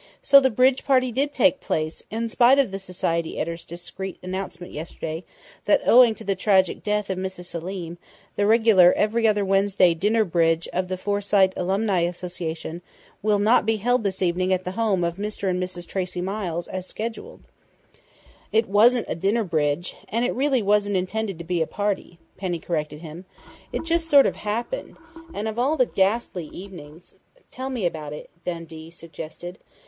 "So the bridge party did take place, in spite of the society editor's discreet announcement yesterday that 'owing to the tragic death of Mrs. Selim, the regular every other Wednesday dinner bridge of the Forsyte Alumnae Association will not be held this evening at the home of Mr. and Mrs. Tracey Miles, as scheduled'." "It wasn't a 'dinner bridge' and it really wasn't intended to be a party," Penny corrected him. "It just sort of happened, and of all the ghastly evenings " "Tell me about it," Dundee suggested.